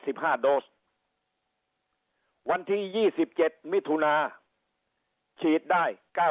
โดสวันที่ยี่สิบเจ็ดมิถุนาฉีดได้เก้า